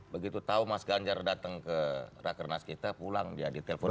begitu tahu mas ganjar datang ke raker nas kita pulang dia ditelepon oleh